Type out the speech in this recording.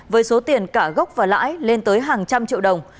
với số tiền cả gốc và lãi lên tới hàng trăm triệu đồng